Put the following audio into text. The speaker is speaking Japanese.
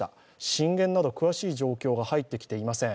震源など詳しい状況が入ってきていません。